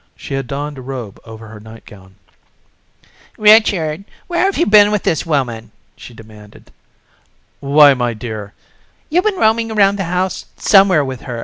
She had donned a robe over her nightgown. "Richard, where have you been with this woman?" she demanded. "Why, my dear ..." "You've been roaming around the house somewhere with her.